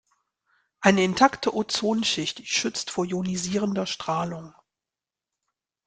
Eine intakte Ozonschicht schützt vor ionisierender Strahlung.